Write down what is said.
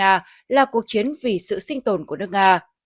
nga là cuộc chiến vì sự sinh tồn của nước nga